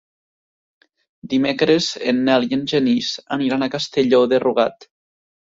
Dimecres en Nel i en Genís aniran a Castelló de Rugat.